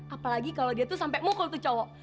apalagi kalau dia tuh sampai mukul tuh cowok